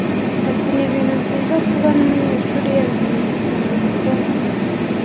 Ati “Ni ibintu byiza kuba n’umunyeshuri yemerewe gufungura konti